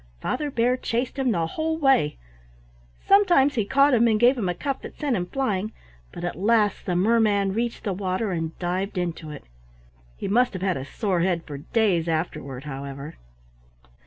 Father Bear chased him the whole way; sometimes he caught him and gave him a cuff that sent him flying, but at last the merman reached the water and dived into it. He must have had a sore head for days afterward, however.